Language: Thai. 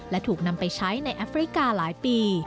และถูกนำไปใช้ในแอฟริกาหลายปี